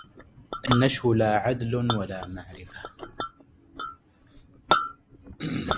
النشو لا عدل ولا معرفه